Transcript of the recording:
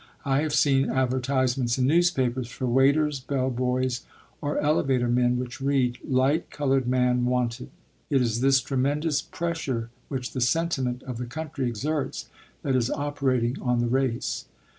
I have seen advertisements in newspapers for waiters, bell boys, or elevator men, which read: "Light colored man wanted." It is this tremendous pressure which the sentiment of the country exerts that is operating on the race.